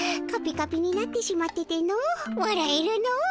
カピカピになってしまっててのわらえるの。